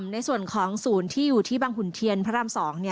ในส่วนของศูนย์ที่อยู่บางหุ่นเทียนพรรภ์๒